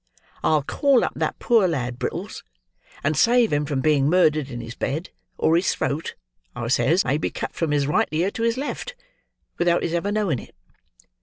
I'll call up that poor lad, Brittles, and save him from being murdered in his bed; or his throat,' I says, 'may be cut from his right ear to his left, without his ever knowing it.